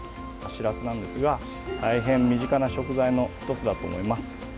しらすなんですが、大変身近な食材の１つだと思います。